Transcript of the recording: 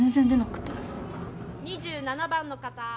・２７番の方。